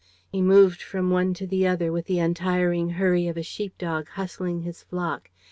He moved from one to the other with the untiring hurry of a sheep dog hustling his flock.